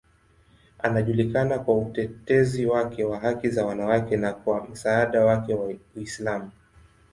Anajulikana kwa utetezi wake wa haki za wanawake na kwa msaada wake wa Uislamu.